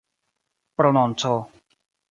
prononco